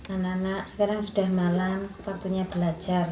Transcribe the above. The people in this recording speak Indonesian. anak anak sekarang sudah malam waktunya belajar